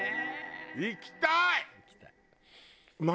行きたい！